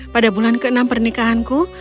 pada bulan keenam pernikahanku